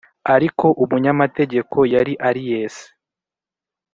ariko umunyamategeko yari aries